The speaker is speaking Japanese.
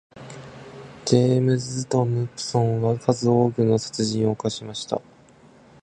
ジェームズトムプソンは数多くの殺人を犯しました。